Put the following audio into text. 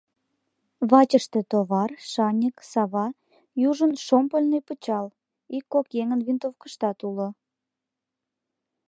Вачыште товар, шаньык, сава, южын шомпольный пычал, ик-кок еҥын винтовкыштат уло.